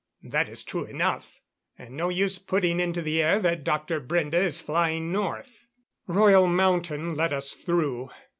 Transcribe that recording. That is true enough, and no use putting into the air that Dr. Brende is flying north." Royal Mountain let us through.